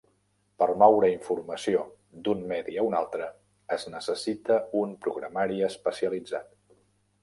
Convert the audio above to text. Per moure informació d'un medi a un altre, es necessita un programari especialitzat.